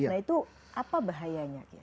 nah itu apa bahayanya